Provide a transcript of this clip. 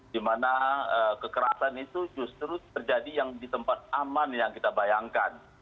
dimana kekerasan itu justru terjadi yang di tempat aman yang kita bayangkan